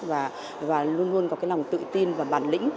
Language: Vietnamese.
và luôn luôn có cái lòng tự tin và bản lĩnh